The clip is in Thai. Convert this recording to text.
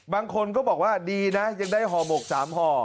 บางคนก็บอกว่าดีนะยังได้ห่อหมก๓ห่อ